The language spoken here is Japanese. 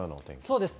そうです。